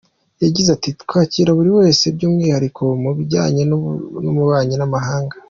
Yagize ati “Twakira buri wese by’umwihariko mu bijyanye n’ububanyi n’amahanga.